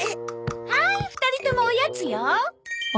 はい２人ともおやつよ。